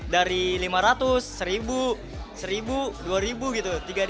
dari lima ratus seribu seribu dua ribu gitu